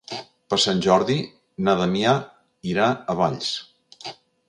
Per Sant Jordi na Damià irà a Valls.